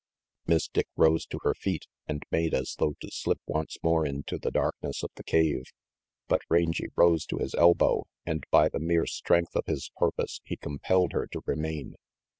Miss Dick rose to her feet, and made as though to slip once more into the darkness of the cave. But Rangy rose to his elbow, and by the mere strength of his purpose he compelled her to remain.